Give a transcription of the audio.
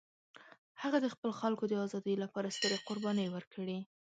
هغه د خپل خلکو د ازادۍ لپاره سترې قربانۍ ورکړې.